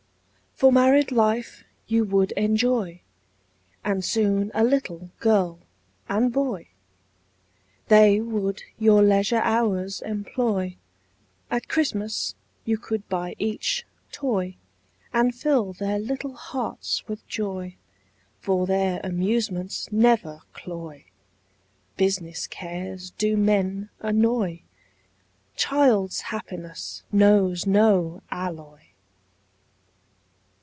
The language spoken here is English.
For married life you would enjoy, And soon a little girl and boy, They would your leisure hours employ, At Christmas you could buy each toy, And fill their little hearts with joy, For their amusements never cloy, Business cares do men annoy, Child's happiness knows no alloy.